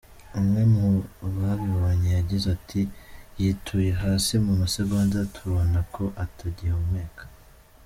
Umwe mu babibonye yagize ati: “Yituye hasi mu masegonda tubona ko atagihumeka.